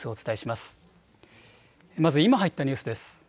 まず今入ったニュースです。